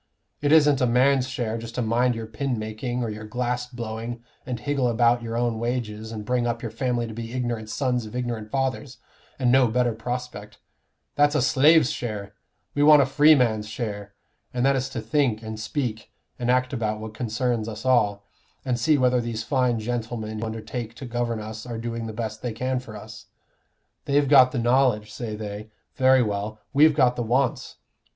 It isn't a man's share just to mind your pin making, or your glass blowing, and higgle about your own wages, and bring up your family to be ignorant sons of ignorant fathers, and no better prospect; that's a slave's share; we want a freeman's share, and that is to think and speak and act about what concerns us all, and see whether these fine gentlemen who undertake to govern us are doing the best they can for us. They've got the knowledge, say they. Very well, we've got the wants.